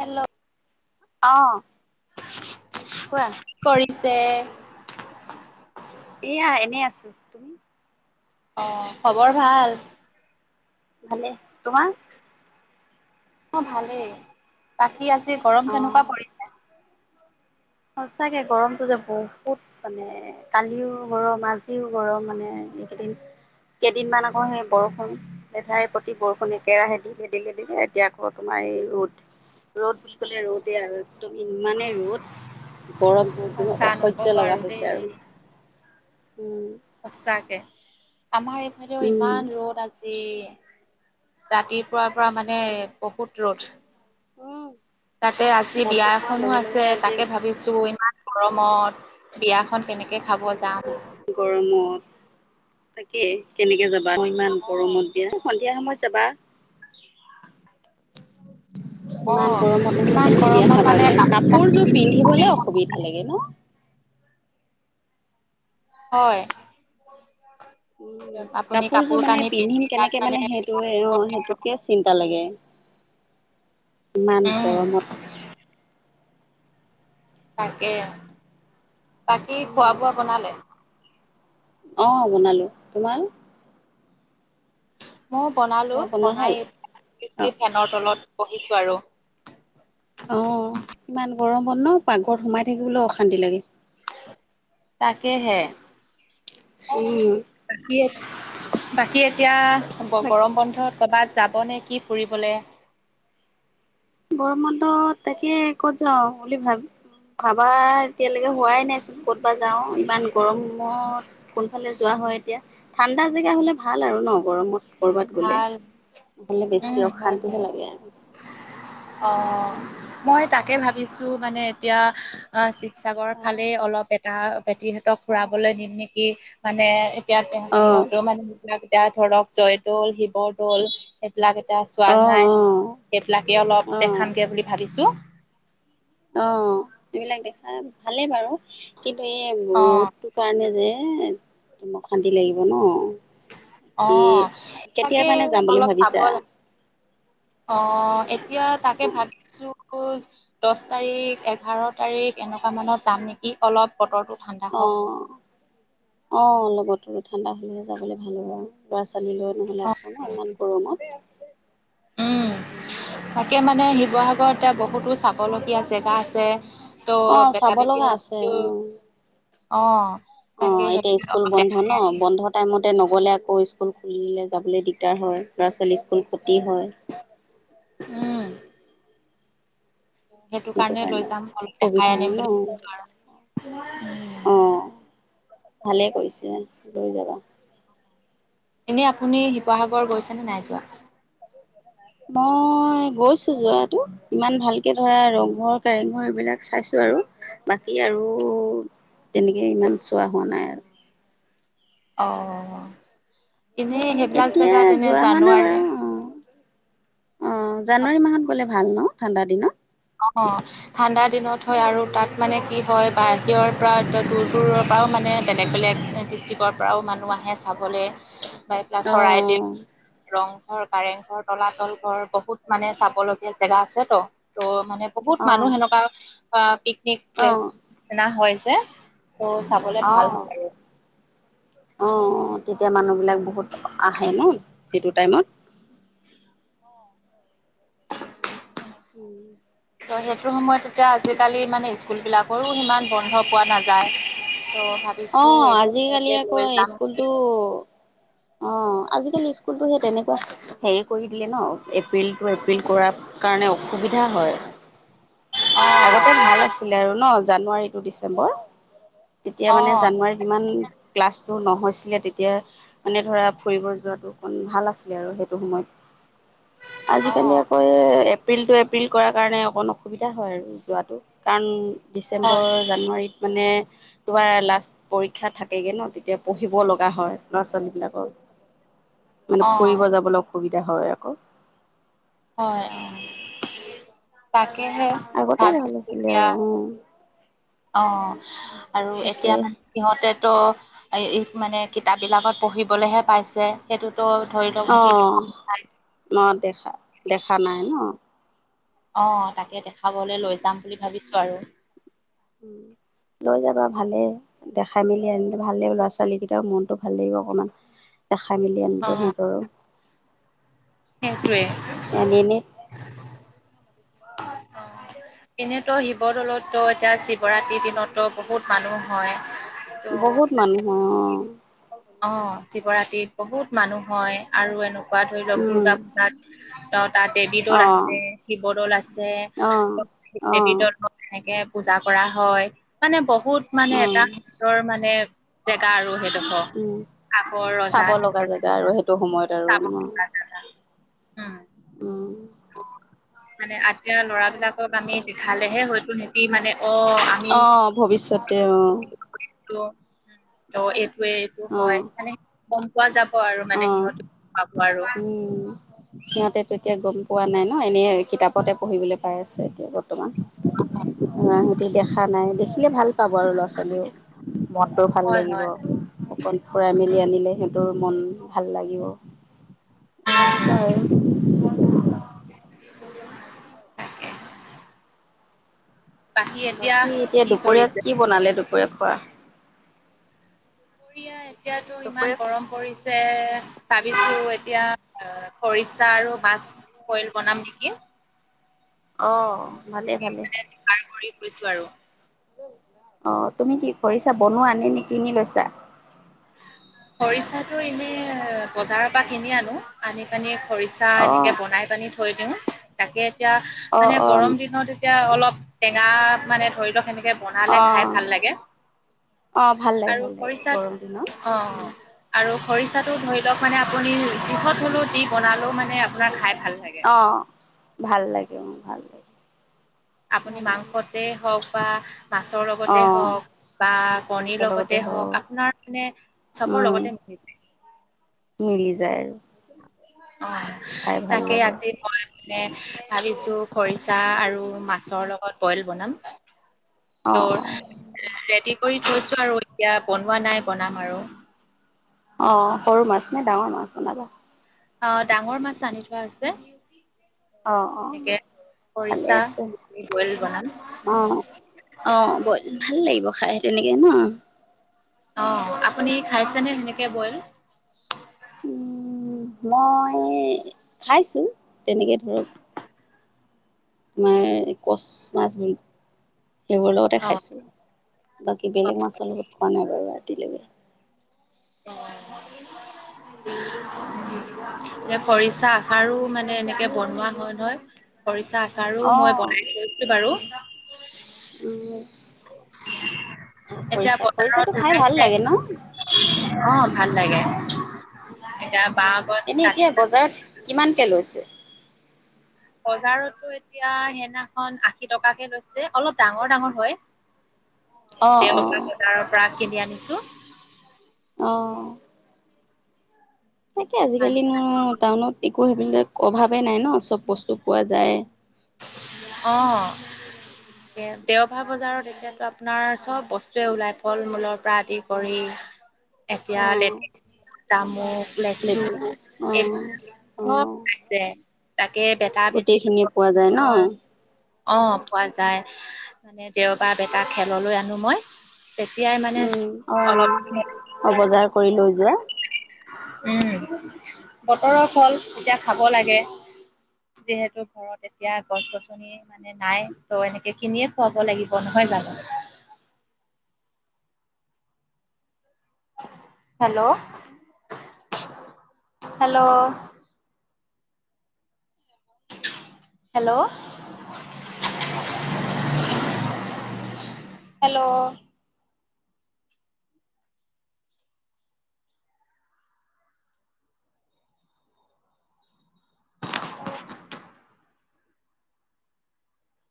Hello অ কোৱা কি কৰিছে এয়া এনেই আছো তুমি অ খবৰ ভাল ভালে তোমাৰ অ ভালেই বাকি আজি গৰম কেনেকুৱা পৰি সচাকে গৰমটো যে বহুত মানে এ কালিও গৰম আজিও গৰম মানে এইকেইদিন কেইদিনমান আকৌ সেই বৰষুণ লেঠাই প্ৰতি বৰষুণ একেৰাহে দিলে দিলে দিলে এতিয়া আকৌ তোমাৰ এই ৰদ ৰ'দ বুলি ক'লে ৰ'দেই আৰু একদম ইমানেই ৰ'দ গৰম বোৰ জান সঁচা নকব অসহ্য লগা দেই হৈছে আৰু উম সচাকে আমাৰ এইফালও উম, ইমান ৰ'দ আজি ৰাতিপুৱাৰ পৰা মানে বহুত ৰ'দ উম, তাতে আজি বিয়া ৰাতিপুৱাৰ এখনো লগে আছে লগে আজি তাকে ভাবিছো ইমান গৰমত বিয়াখন কেনেকে খাব যাম গৰমত তাকে কেনেকে যাবা ইমান অ গৰমত বিয়া ন্ধিয়া সময়ত যাবা অ ইমান গৰমত নহলে ইমান কেনেকে বিয়া গৰমত মানে খাবাগে কাপোৰযোৰ পিন্ধিবলে অসুবিধা লাগে ন হয় উ আপুনি কাপোৰ কাপোৰযোৰ মানে কানি পিন্ধি পিন্ধিম তাত কেনেকে মানে সেইটো এ অ সেইটোকেচ চিন্তা লাগে ইমান উম গৰমত তাকে বাকী খোৱা উম, বোৱা বনালে অঁ বনালোঁ তোমাৰ মৌ বনালোঁ তোমাৰ বনোৱা হ'ল বনাই অ এই ফেনৰ তলত বহিছোঁ আৰু অ ইমান গৰমত ন পাকঘৰত সোমাই থাকিবলও অশান্তি লাগে তাকেহে উম বাকী এত বাকী এতিয়া গ বাকী গৰম বন্ধত ক'বাত যাব নে কি ফুৰিবলে? গৰম বন্ধত তাকে ক'ত যাওঁ বুলি ভাব ভাবা এতিয়ালৈকে হোৱাই নাই চোন ক'ত বা যাওঁ ইমান গৰমত। কোনফালে যোৱা হয় এতিয়া। ঠাণ্ডা জেগা হলে ভাল আৰু ন গৰমত। ক'ৰবাত গ'লে। ভাল নহলে উম বেছি অশান্তিহে লাগে। অঁ মই তাকে ভাবিছোঁ মানে এতিয়া অঁ শিব- সাগৰ অ ফালেই অলপ বেটা বেটীহঁতক ফুৰাবলৈ নিম নেকি? মানে- এতিয়া সিহঁতৰ অ মানে সেবিলাক এতিয়া ধৰক জয়দৌল শিৱদৌল- সেইবিলাক এতিয়া চোৱা নাই। অ সেইবিলাকে অলপ অ দেখামগে বুলি ভাবিছো। অঁ এইবিলাক দেখাই ভালেই বাৰু কিন্তু এই অ', ৰ'দটো- কাৰণে যে অশান্তি লাগিব ন। এই অঁ কেতিয়া তাকে মানে যাম বুলি অলপ চাব ভাবিছা লাগ- অঁ' এতিয়া তাকে ভাবিছোঁ- দশ তাৰিখ এঘাৰ তাৰিখ এনেকুৱা মানত যাম নেকি? ই অলপ বতৰটো ঠাণ্ডা হওঁক। অ অঁ লগতো ঠাণ্ডা হ'লেহে যাবলে ভাল হ'ব অঁ। ল'ৰা ছোৱালী লৈ নহ'লে আকৌ ন, ইমান গৰমত। উম' তাকে মানে শিৱসাগৰতে বহুতো চাবলগীয়া জেগা আছে- ত' অঁ বেটা চাব লগা বেটিও আছে হেঁতিও অঁ অঁ। অঁ এতিয়া স্কুল বন্ধ ন, বন্ধত- টাইম মতে নগ'লে আকৌ স্কুল খুলি দিলে যাবলে দিগদাৰ হয়, ল'ৰা ছোৱালী স্কুল খতি হয়। উম। সেইটো কাৰণে লৈ যাম অলপ দেখাই অসুবিধা হয় আনিম ন বুলি ভাবিছোঁ আৰু। অঁ' ভালেই কৰিছে লৈ যাবা। এনেই আপুনি শিৱসাগৰ গৈছেনে নাই যোৱা? মই গৈছো যোৱাটো। ইমান ভালকে ধৰা ৰংঘৰ, কৰেংঘৰ এইবিলাক চাইছো আৰু বাকী আৰু- তেনেকে ইমান চোৱা হোৱা নাই আৰু। অ অ অ এনেই হেইবিলাক এতিয়া জেগাত এনে যোৱা হোৱা জানুৱাৰী- অঁ' জানুৱাৰী মাহত গ'লে ভাল ন ঠাণ্ডা দিনত। অঁ অঁ। ঠাণ্ডা দিনত হয় আৰু তাত মানে কি হয় বাহিৰৰ পৰা দূৰ দূৰৰ পৰাও মানে বেলেগ বেলেগ- ডিষ্ট্ৰিকৰ পৰাও মানুহ আহে চাবলে বা এই বিলাক অ চৰাইদেও- ৰংঘৰ, কাৰেংঘৰ, তলাতল ঘৰ বহুত মানে চাবলগীয়া জেগা আছে তো ত' মানে- বহুত অ মানুহ সেনেকুৱা অ পিকনিক অ প্লেচ এটা হয় যে, ত চাবল- অঁ অঁ অ তেতিয়া মানুহ বিলাক বহুত আহে ন। সেইটো টাইমত। উম। ত' সেইটো সময়ত এতিয়া আজিকালি মানে স্কুল বিলাকৰো সিমান বন্ধ- পোৱা নাযায়। ত' অ ভাবিছো এইটো আজিকালি সময়তে আকৌ লৈ যাম নেকি? অঁ আজিকালি স্কুলটো সেই তেনেকুৱা হেৰি কৰি দিলে ন। এপ্ৰিলটো এপ্ৰিল কৰাৰ কাৰণে অসুবিধা হয়। অ', আগতে ভাল আছিলে আৰু ন জানুৱাৰী টো ডিচেম্বৰ। এতিয়া অ'। মানে অ', জানুৱাৰী- ইমান ক্লাছটো নহৈছিলে তেতিয়া- মানে ধৰা ফুৰিব যোৱাটো অকণ ভাল আছিলে আৰু সেইটো সময়ত। আজিকালি আকৌ এ এপ্ৰিল টো এপ্ৰিল কৰা কাৰণে অকন অসুবিধা- ধা হয় আৰু যোৱাটো, কাৰণ হয়, ডিচেম্বৰ জানুৱাৰীত মানে- তোমাৰ লাষ্ট পৰীক্ষা থাকেগে ন তেতিয়া পঢ়িব লগা হয় ল'ৰা ছোৱালী বিলাকৰ [inaudible] মানে অ', ফুৰিব যাবলৈ অসুবিধা হয় আক হয় অ তাকে হে আগতে ভাল আছিলে আৰু উম অ আৰু তাকে এতিয়া মানে সিহঁতেতো এ এই মানে কিতাপবিলাকত পঢ়িবলৈহে পাইছে সেইটো সেইটো ধৰি লোৱা অহ নাই দেখা দেখা নাই ন অ তাকে দেখাবলৈ লৈ যাম বুলি ভাবিছোঁ আৰু লৈ যাবা ভালে দেখাই মেলি আনিলে ভালে ল'ৰা ছোৱালীকেইটাৰ মনটো ভাল লাগিব অকণমান দেখাই মেলি আনিলে অ', সিহঁতৰো সেইটোৱে জানে নে এনেতো শিৱদৌলততো এতিয়া শিৱৰাত্ৰিৰ দিনততো বহুত মানুহ হয় ত' বহুত মানুহ হয় অ অ শিৱৰাত্ৰিত বহুত মানুহ হয় আৰু এনেকুৱা ধৰি লওক উম দুৰ্গা পূজাত ত তাত দেৱী অ দৌল আছে শিৱদৌল আছে অ অ দেবী দৌল এনেকে পূজা কৰা হয় মানে বহুত অ মানে এটা ধৰ মানে জেগা আৰু সেইডোখৰ উম আগৰ ৰজা চাব লগা জেগা আৰু সেইটো সময়ত আৰু চাব ন [unintelligible] উম, উম মানে আগে লৰাবিলাকক আমি দেখালেহে হয়তো কি মানে অহ আমি অ ভৱিষ্যতে অ এইটো ত এইটোৱে এইটো অ হয় মানে গম পোৱা যাব আৰু অ মানে সিহঁতি পাব আৰু উম সিহঁতেতো এতিয়া গম পোৱা নাই ন এনেই কিতাপতে পঢ়িবলৈ পাই আছে এতিয়া বৰ্তমান হয় অহ সিহতি দেখা নাই দেখিলে ভাল পাব আৰু ল'ৰা ছোৱালীও মনটো ভাল হয় লাগিব হয় অকণ ফুৰাই মেলি উম আনিলে সিহঁতৰ মন ভাল লাগিব উম উম বাৰু তাকে বাকী এতিয়া দুপৰীয়াত কি বনালে দুপৰীয়া খোৱা দুপৰীয়া এতিয়াতো ইমান দুপৰীয়া গৰম পৰিছে ভাবিছোঁ এতিয়া আ খৰিচা আৰু মাছ বইল বনাম নেকি অ ত' ভালেই ভালেই মানে যোগাৰ কৰি থৈছো আৰু অ তুমি কি খৰিছা বনোৱা নে নে কিনি লৈছা খৰিচাটো এনেই বজাৰৰ পৰা কিনি আনো আনি পেনি খৰিচা এনেকে অঁ বনাই পেনি থৈ দিওঁ তাকে এতিয়া অঁ মানে অঁ গৰম দিনত এতিয়া অলপ টেঙা মানে ধৰি লওক সেনেকে বনালে খাই অঁ ভাল লাগে অঁ ভাল লাগে আৰু ভাল লাগে খৰিচাত গৰম দিনত অ আৰু খৰিচাটো ধৰি লওক মানে আপুনি যিহত হলো দি বনালেও মানে আপোনাৰ খাই ভাল লাগে। অ ভাল লাগে মোৰ ভাল লাগে। আপুনি ভাল লাগে মাংসতেই হওক বা মাছৰ লগতে অঁ হওক বা কণীৰ লগতে হওক আপোনাৰ মানে চবৰ উম। লগতে মিলি যাই। মিলি যায়। অ খাই ভাল তাকেই লাগে। আজি মই মানে ভাবিছো খৰিচা আৰু মাছৰ লগত বইল বনাম। ত অ', অ', ৰেডি কৰি থৈছো আৰু এতিয়া বনোৱা নাই বনাম আৰু। অঁ সৰু মাছনে ডাঙৰ মাছ বনাবা? অ ডাঙৰ মাছ আনি থোৱা আছে। অ অ ভালেই খৰিচা আছে বইল বনাম। অ। অ বইল ভাল লাগিব খাই তেনেকে ন। অ আপুনি খাইছেনে সেনেকে বইল? উম মই খাইছোঁ তেনেকে ধৰক আমাৰ কচ মাছ, সেইবোৰৰ লগতে অ'। খাইছোঁ। বাকী বেলেগ মাছৰ লগত খোৱা নাই বাৰু আজিলৈকে। অ। [unintelligible] এ খৰিচা আচাৰো মানে এনেকে বনোৱা হয় নহয়। খৰিচা আচাৰো মই বনাই থৈছো বাৰু। উ অ এতিয়া খৰিচা বজাৰত খৰিচাটো খাই ভাল ওলাইছে লাগে ন? অ ভাল লাগে। এতিয়া বাঁহগছ এনে কাট এতিয়া বজাৰত কিমানকে লৈছে? বজাৰতো এতিয়া সেইদিনাখন আশী টকাকে লৈছে, অলপ ডাঙৰ ডাঙৰ হয়। অ', দেওবাৰ অ', বজাৰৰ পৰা কিনি আনিছো। অঁ তাকে আজিকালিনো টাউনত একো সেইবিলাক অভাৱে নাই ন চব বস্তু পোৱা যায়। অঁ। দে দেওবাৰ বজাৰত এতিয়াতো আপোনাৰ চব বস্তুৱে ওলায় ফল মূলৰ পৰা আদি কৰি এতিয়া অ' লেত জামুক লেচু লেতু এইবোৰ অ' অ' চব পাই যায়। তাকে বেটা বেটী গোটেইখিনিয়ে পোৱা যায় ন [unintelligible] অ পোৱা যায়, মানে দেওবাৰ বেটাক খেললৈ আনো মই। তেতিয়াই মানে উম অলপ অ' অ' বজাৰ কৰি লৈ যোৱা। [unintelligible] উম বতৰৰ ফল এতিয়া খাব লাগে। যিহেতু ঘৰত এতিয়া গছ গছ নি মানে নাই ত এনেকে কিনিয়ে খুৱাব লাগিব নহয় জানো? Hello hello. Hello hello. [unintelligible]